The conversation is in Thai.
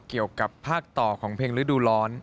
เกี่ยวกับภาคต่อของเพลงฤดูร้อน